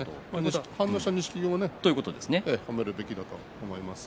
反応した錦木も褒めるべきだと思います。